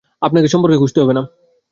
আপনাকে সম্পর্ক খুঁজতে হবে না।